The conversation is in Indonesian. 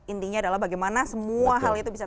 intinya adalah bagaimana semua hal itu bisa